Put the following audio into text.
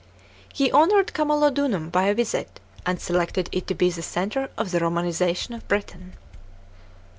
He honoun d Camalo dunum by a visit, and selected it to be the centre of the Romauisation of Britain.